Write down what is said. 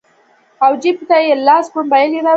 او جېب ته يې لاس کړو موبايل يې رواخيست